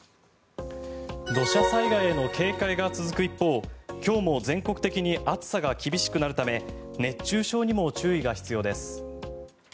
土砂災害への警戒が続く一方今日も全国的に暑さが厳しくなるため熱中症にも注意が必要です。